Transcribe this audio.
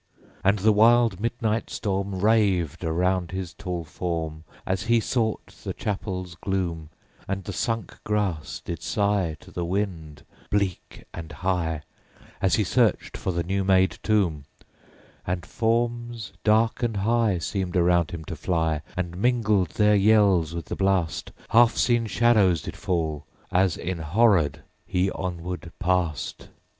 And the wild midnight storm Raved around his tall form, _60 As he sought the chapel's gloom: And the sunk grass did sigh To the wind, bleak and high, As he searched for the new made tomb. 12. And forms, dark and high, _65 Seemed around him to fly, And mingle their yells with the blast: And on the dark wall Half seen shadows did fall, As enhorrored he onward passed. _70 13.